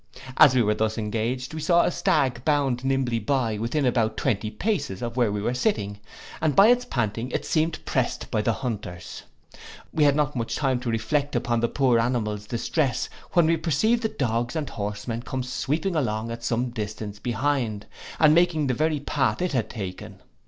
As we were thus engaged, we saw a stag bound nimbly by, within about twenty paces of where we were sitting, and by its panting, it seemed prest by the hunters. We had not much time to reflect upon the poor animal's distress, when we perceived the dogs and horsemen come sweeping along at some distance behind, and making the very path it had taken.